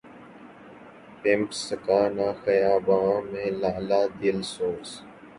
پنپ سکا نہ خیاباں میں لالۂ دل سوز